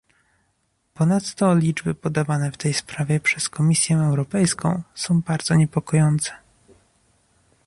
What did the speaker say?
Ponadto liczby podawane w tej sprawie przez Komisję Europejską są bardzo niepokojące